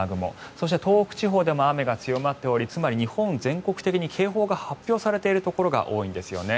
そして東北地方でも雨が強まっておりつまり日本全国的に警報が発表されているところが多いんですよね。